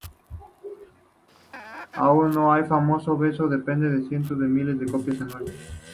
Aún hoy el famoso beso vende cientos de miles de copias anuales.